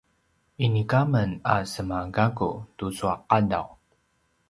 inika men a sema gakku tucu a qadaw